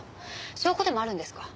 証拠でもあるんですか。